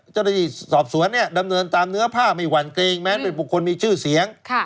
เจ้าหน้าที่สอบสวนเนี่ยดำเนินตามเนื้อผ้าไม่หวั่นเกรงแม้เป็นบุคคลมีชื่อเสียง